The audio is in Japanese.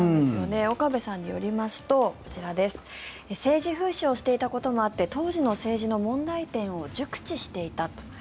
岡部さんによりますと政治風刺をしていたこともあって当時の政治の問題点を熟知していた。